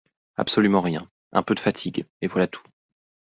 Absolument rien, un peu de fatigue, et voilà tout.